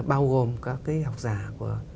bao gồm các cái học giả của